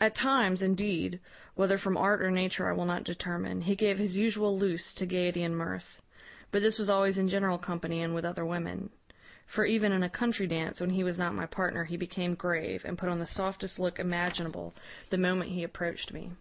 At times, indeed, whether from art or nature I will not determine, he gave his usual loose to gaiety and mirth; but this was always in general company, and with other women; for even in a country dance, when he was not my partner, he became grave, and put on the softest look imaginable the moment he approached me.